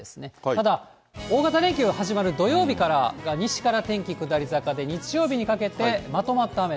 ただ、大型連休が始まる土曜日から、西から天気、下り坂で、日曜日にかけてまとまった雨と。